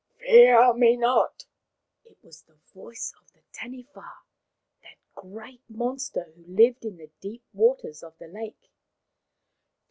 " Fear me not !" It was the voice of the Taniwha, that great monster who lived in the deep waters of the lake.